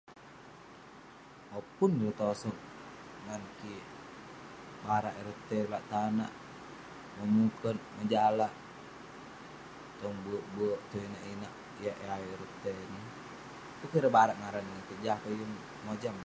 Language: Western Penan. Oo pun ireh tosoq ngan kik barak ireh tai lak tanak, memuket, ngejalak, tong bek-bek, tong inak-inak yak eh ayuk ireh tai ineh. Pun keh ireh barak ngaran ireh jah akeuk yeng mojam.